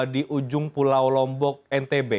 di ujung pulau lombok ntb